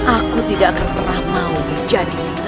aku tidak akan pernah mau jadi